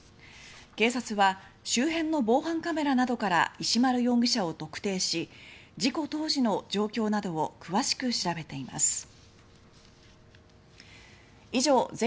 警察は周辺の防犯カメラなどから石丸容疑者を特定し事故当時の状況などを詳しく調べています。